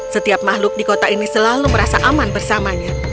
setiap makhluk di kota ini selalu merasa aman bersamanya